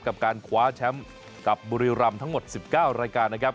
กับการคว้าแชมป์กับบุรีรำทั้งหมด๑๙รายการนะครับ